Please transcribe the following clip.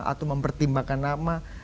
atau mempertimbangkan nama